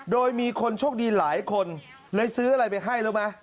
โดยมีคนโชคดีหลายคนเลยซื้ออะไรไปให้รู้ไหม